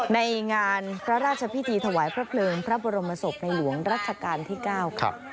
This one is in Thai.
ในงานพระราชพิธีถวายพระเพลิงพระบรมศพในหลวงรัชกาลที่๙ครับ